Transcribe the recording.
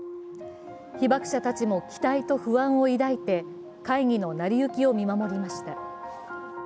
被爆者たちも期待と不安を抱いて会議の成り行きを見守りました。